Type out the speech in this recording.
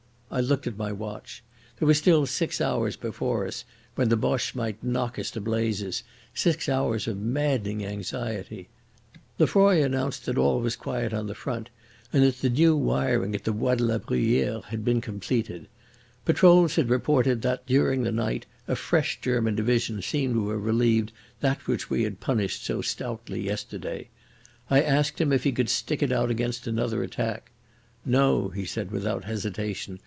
I looked at my watch. There were still six hours before us when the Boche might knock us to blazes, six hours of maddening anxiety.... Lefroy announced that all was quiet on the front, and that the new wiring at the Bois de la Bruyere had been completed. Patrols had reported that during the night a fresh German division seemed to have relieved that which we had punished so stoutly yesterday. I asked him if he could stick it out against another attack. "No," he said without hesitation.